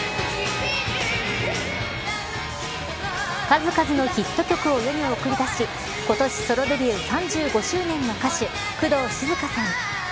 数々のヒット曲を世に送り出し今年ソロデビュー３５周年の歌手工藤静香さん。